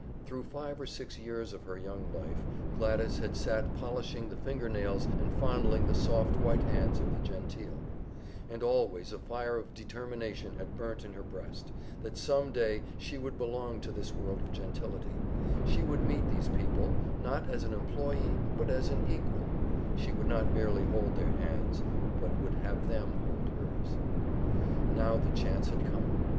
Thru five or six years of her young life Gladys had sat polishing the fingernails and fondling the soft white hands of the genteel; and always a fire of determination had burnt in her breast, that some day she would belong to this world of gentility, she would meet these people, not as an employee, but as an equal, she would not merely hold their hands, but would have them hold hers. Now the chance had come.